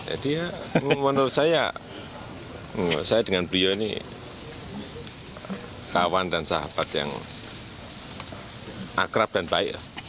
jadi ya menurut saya saya dengan pria ini kawan dan sahabat yang akrab dan baik